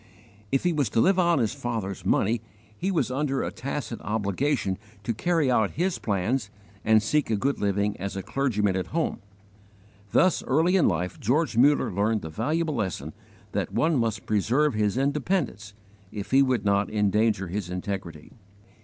If he was to live on his father's money, he was under a tacit obligation to carry out his plans and seek a good living as a clergyman at home. Thus early in life George Muller learned the valuable lesson that one must preserve his independence if he would not endanger his integrity.